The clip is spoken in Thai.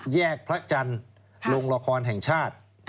แยกพระจันทร์ลงละครแห่งชาติ